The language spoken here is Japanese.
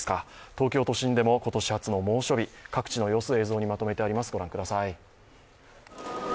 東京都心でも今年初の猛暑日各地の様子をまとめてあります。